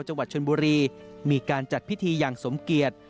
จังหวัดชนบุรีมีการจัดพิธีอย่างสมเกียจ